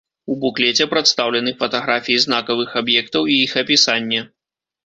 У буклеце прадстаўлены фатаграфіі знакавых аб'ектаў і іх апісанне.